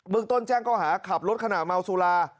เบื้องต้นแจ้งก้อหาขับรถขนาดเมาสุรา